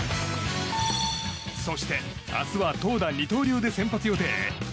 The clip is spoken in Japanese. そして明日は投打二刀流で先発予定。